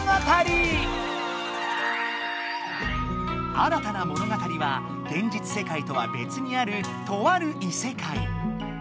新たな物語は現実世界とはべつにあるとある異世界。